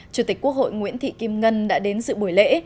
chủ tịch quốc hội nguyễn thị kim ngân đã đến dự buổi lễ